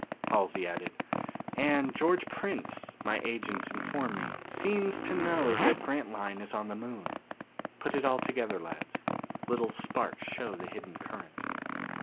Halsey added, "And George Prince, my agents inform me, seems to know that Grantline is on the Moon. Put it all together, lads. Little sparks show the hidden current.